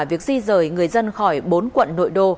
việc di rời người dân khỏi bốn quận nội đô